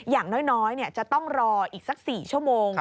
อย่างน้อยจะต้องรออีกสัก๔ชั่วโมง